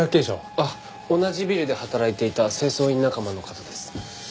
あっ同じビルで働いていた清掃員仲間の方です。